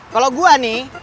kalau gue nih